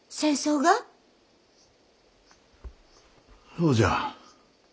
そうじゃ。